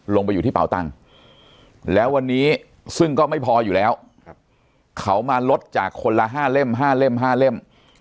อยู่ที่เป่าตังค์แล้ววันนี้ซึ่งก็ไม่พออยู่แล้วเขามาลดจากคนละ๕เล่ม๕เล่ม๕เล่ม